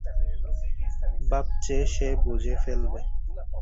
ভাবছে সে বুঝে ফেলবে।